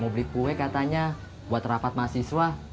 mau beli kue katanya buat rapat mahasiswa